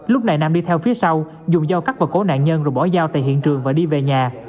lúc này nam đi theo phía sau dùng dao cắt vào cổ nạn nhân rồi bỏ giao tại hiện trường và đi về nhà